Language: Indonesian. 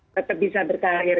tetap bisa berkarir